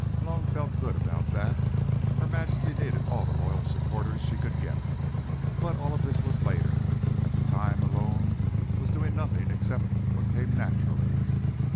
Malone felt good about that; Her Majesty needed all the loyal supporters she could get. But all of this was later. At the time, Malone was doing nothing except what came naturally.